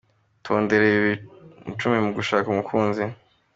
Itondere ibi bintu icumi mu gushaka umukunzi